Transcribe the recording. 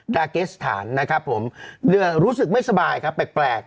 กาเกสถานนะครับผมรู้สึกไม่สบายครับแปลก